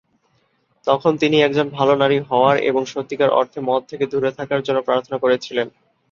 তখন তিনি একজন ভাল নারী হওয়ার এবং সত্যিকার অর্থে মদ থেকে দুরে থাকার জন্য প্রার্থনা করেছিলেন।